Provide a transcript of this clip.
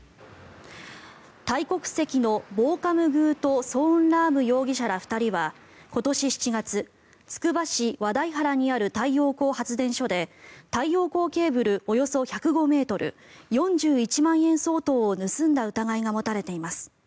タイ国籍のボーカムグート・ソーンラーム容疑者ら２人は今年７月、つくば市和台原にある太陽光発電所で太陽光ケーブルおよそ１０５ｍ４１万円相当を盗んだ疑いが持たれています。